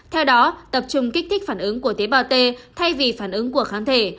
theo đó tập trung kích thích phản ứng của tế bào t thay vì phản ứng của kháng thể